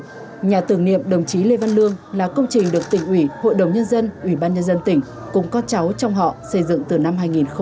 từ năm hai nghìn ba nhà tưởng niệm đồng chí lê văn lương là công trình được tỉnh ủy hội đồng nhân dân ủy ban nhân dân tỉnh cùng có cháu trong họ xây dựng từ năm hai nghìn ba